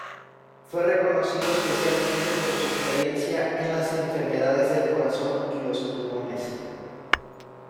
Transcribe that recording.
Fue reconocido especialmente por su experiencia en las enfermedades del corazón y los pulmones.